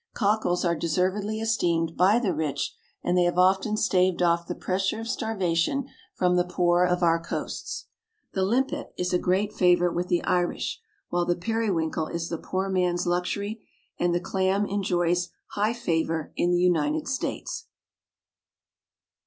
Cockles are deservedly esteemed by the rich, and they have often staved off the pressure of starvation from the poor of our coasts. The limpet is a great favourite with the Irish, while the periwinkle is the poor man's luxury, and the clam enjoys high favour in the United States.